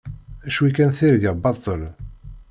Cwi kan tirga baṭel!